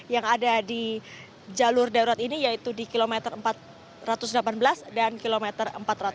yang ada di jalur darurat ini yaitu di kilometer empat ratus delapan belas dan kilometer empat ratus